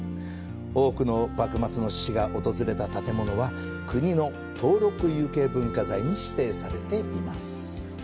多くの幕末の志士が訪れた建物は国の登録有形文化財に指定されています。